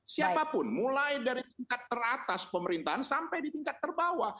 siapapun mulai dari tingkat teratas pemerintahan sampai di tingkat terbawah